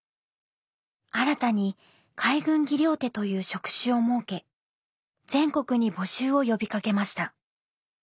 新たに海軍技療手という職種を設け全国に募集を呼びかけました。